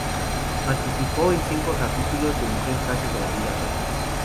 Participó en cinco capítulos de "Mujer, casos de la vida real".